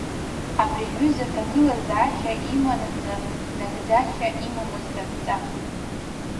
Абри аҩыза аҭагылазаашьа иманаҵы, нагӡашьа имамызт идҵа.